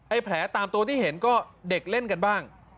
แผลตามตัวที่เห็นก็เด็กเล่นกันบ้าง